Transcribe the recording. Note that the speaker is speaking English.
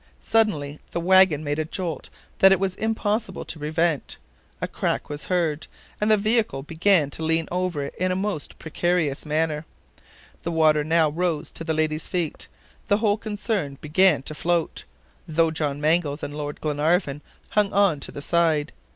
Suddenly the wagon made a jolt that it was impossible to prevent; a crack was heard, and the vehicle began to lean over in a most precarious manner. The water now rose to the ladies' feet; the whole concern began to float, though John Mangles and Lord Glenarvan hung on to the side.